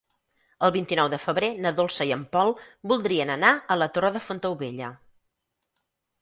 El vint-i-nou de febrer na Dolça i en Pol voldrien anar a la Torre de Fontaubella.